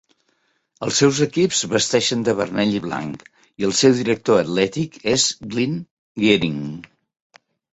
Els seus equips vesteixen de vermell i blanc i el seu director atlètic és Glen Gearin.